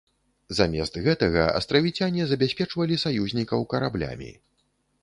Замест гэтага астравіцяне забяспечвалі саюзнікаў караблямі.